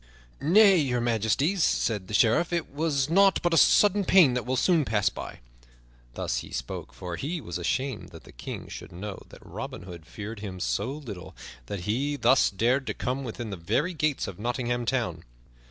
"Nay, Your Majesty," said the Sheriff, "it was nought but a sudden pain that will soon pass by." Thus he spake, for he was ashamed that the King should know that Robin Hood feared him so little that he thus dared to come within the very gates of Nottingham Town.